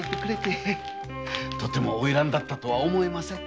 とても花魁だったとは思えません。